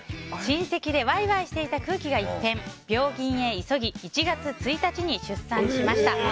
親戚でワイワイしていた雰囲気が一変病院へ急ぎ１月１日に出産しました。